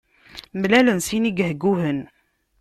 Mlalen sin igehguhen.